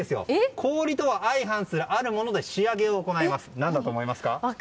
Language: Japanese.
氷とは相反する、あるもので仕上げを行いますが何だと思いますか？